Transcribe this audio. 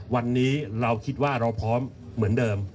วันนี้เราคิดว่าเราพร้อมเหมือนเดิม